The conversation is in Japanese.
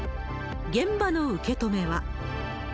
現場の受け止めは。